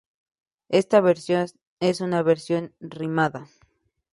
Esta versión es una versión rimada.